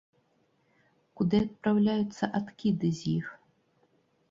Куды адпраўляюцца адкіды з іх?